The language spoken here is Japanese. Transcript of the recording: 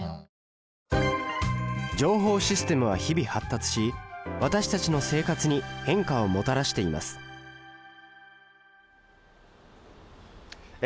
情報システムは日々発達し私たちの生活に変化をもたらしていますえ